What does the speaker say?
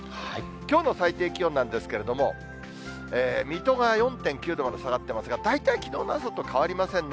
きょうの最低気温なんですけれども、水戸が４．９度まで下がってますが、大体きのうの朝と変わりませんね。